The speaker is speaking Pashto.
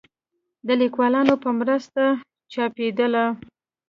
د ليکوالانو په مرسته چاپېدله